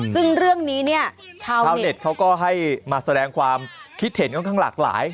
ซึ่งเรื่องนี้เนี่ยชาวเน็ตเขาก็ให้มาแสดงความคิดเห็นค่อนข้างหลากหลาย